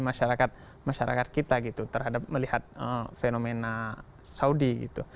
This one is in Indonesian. masyarakat masyarakat kita gitu terhadap melihat fenomena saudi gitu